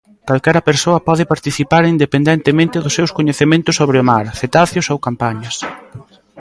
Calquera persoa pode participar independentemente dos seus coñecementos sobre o mar, cetáceos ou campañas.